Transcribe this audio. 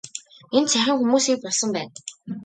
Энд саяхан хүмүүсийг булсан байна.